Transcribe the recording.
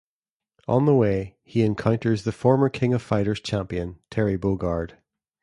On the way, he encounters the former King of Fighters champion Terry Bogard.